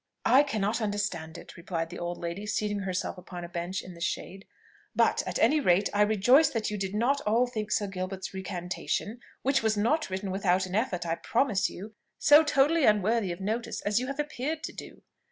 '" "I cannot understand it," replied the old lady, seating herself upon a bench in the shade; "but, at any rate, I rejoice that you did not all think Sir Gilbert's recantation which was not written without an effort, I promise you so totally unworthy of notice as you have appeared to do."